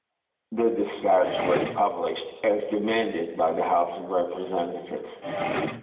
The dispatch was published as demanded by the House of Representatives.